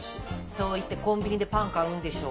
そう言ってコンビニでパン買うんでしょ？